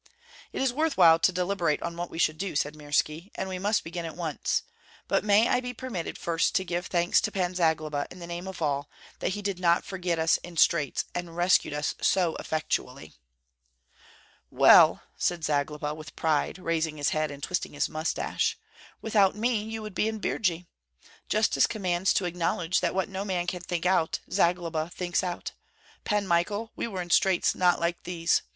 "It is worth while to deliberate on what we should do," said Mirski, "and we must begin at once. But may I be permitted first to give thanks to Pan Zagloba in the name of all, that he did not forget us in straits and rescued us so effectually?" "Well," said Zagloba, with pride, raising his head and twisting his mustache. "Without me you would be in Birji! Justice commands to acknowledge that what no man can think out, Zagloba thinks out. Pan Michael, we were in straits not like these.